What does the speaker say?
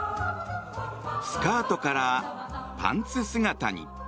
スカートからパンツ姿に。